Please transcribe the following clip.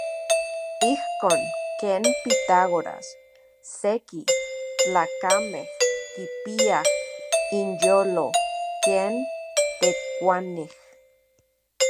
Ijkon ken Pitágoras seki tlakamej kipiaj inyolo ken tekuanij.